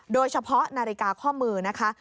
โดยเฉพาะนาฬิกาข้อมือนะคะ